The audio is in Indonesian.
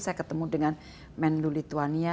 saya ketemu dengan menlo lituania